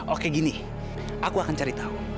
oke gini aku akan cari tahu